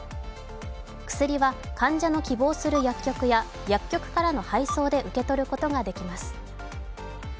薬は患者の希望する薬局や薬局からの配送で受け取ることができます。